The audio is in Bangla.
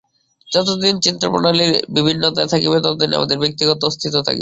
যতদিন চিন্তাপ্রণালীর এই বিভিন্নতা থাকিবে, ততদিন আমাদের ব্যক্তিগত অস্তিত্ব থাকিবে।